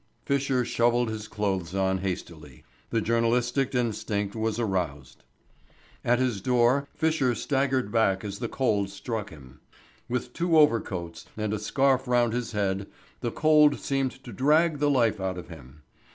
Fisher shovelled his clothes on hastily. The journalistic instinct was aroused. At his door Fisher staggered back as the cold struck him. With two overcoats, and a scarf round his head, the cold seemed to drag the life out of him.